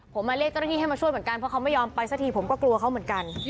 ผมมาเรียกเจ้าหน้าที่ให้มาช่วยเหมือนกันเพราะเขาไม่ยอมไปสักทีผมก็กลัวเขาเหมือนกัน